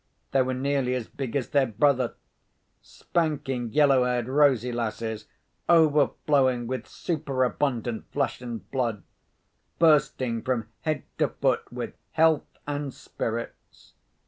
They were nearly as big as their brother; spanking, yellow haired, rosy lasses, overflowing with super abundant flesh and blood; bursting from head to foot with health and spirits.